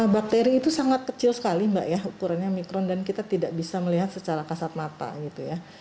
bakteri itu sangat kecil sekali mbak ya ukurannya mikron dan kita tidak bisa melihat secara kasat mata gitu ya